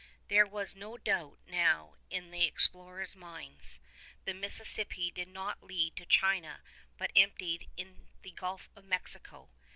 There was no doubt now in the explorers' minds, the Mississippi did not lead to China but emptied in the Gulf of Mexico.